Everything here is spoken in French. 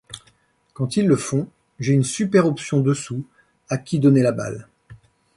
Quand ils le font, j’ai une super option dessous à qui donner la balle.